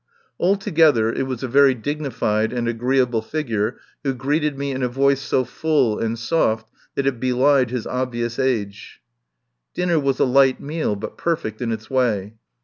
Altogether it was a very dignified and agreeable figure who greeted me in a voice so full and soft that it belied his obvious age. Dinner was a light meal, but perfect in its way.